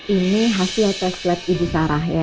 ini hasil tes swab ibu sarah ya